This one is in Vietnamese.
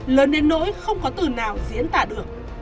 lớn đến nỗi không có từ nào diễn tả được